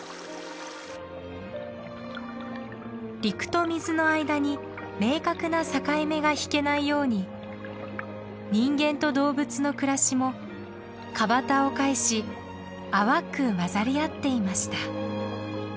陸と水の間に明確な境目が引けないように人間と動物の暮らしもかばたを介し淡く混ざり合っていました。